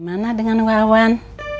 mana dengan wawan